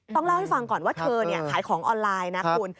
ต้องเล่าให้ฟังก่อนว่าเธอขายของออนไลน์นะคุณ